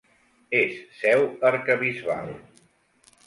És seu arquebisbal.